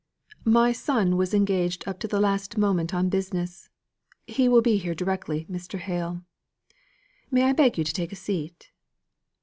"My son was engaged up to the last moment on business. He will be here directly, Mr. Hale. May I beg you to take a seat?"